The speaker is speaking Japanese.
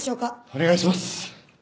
お願いします！